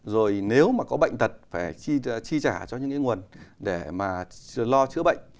rồi nếu mà có bệnh tật phải chi trả cho những cái nguồn để mà lo chữa bệnh